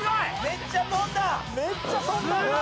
めっちゃとんだ。